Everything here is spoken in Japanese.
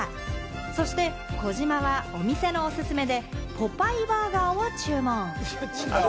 そして児嶋はお店のおすすめでポパイバーガーを注文。